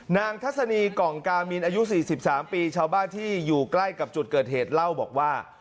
ทัศนีกล่องกามินอายุ๔๓ปีชาวบ้านที่อยู่ใกล้กับจุดเกิดเหตุเล่าบอกว่า